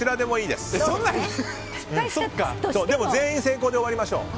でも全員成功で終わりましょう。